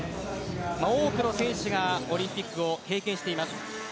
多くの選手がオリンピックを経験しています。